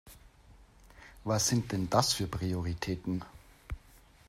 Was sind denn das für Prioritäten?